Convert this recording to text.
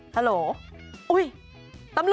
ฮัลโหล